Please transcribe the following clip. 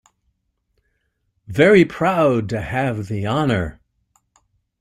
Very proud to have the honour!